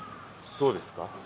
どうですか？